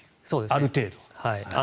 ある程度。